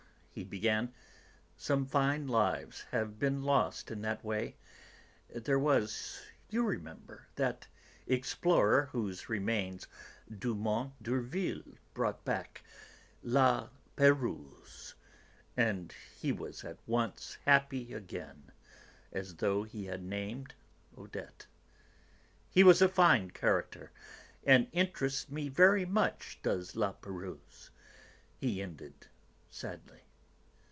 he began, "some fine lives have been lost in that way... There was, you remember, that explorer whose remains Dumont d'Urville brought back, La Pérouse..." (and he was at once happy again, as though he had named Odette). "He was a fine character, and interests me very much, does La Pérouse," he ended sadly.